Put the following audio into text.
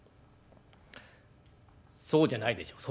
「そうじゃないでしょう」。